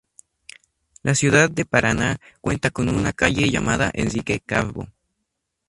La ciudad de Paraná cuenta con una calle llamada Enrique Carbó.